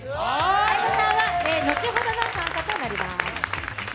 相葉さんは後ほどの参加となります。